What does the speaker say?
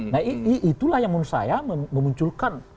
nah itulah yang menurut saya memunculkan